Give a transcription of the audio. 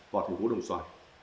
vào thành phố đồng xoài